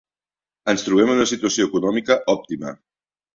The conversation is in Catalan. Ens trobem en una situació econòmica òptima.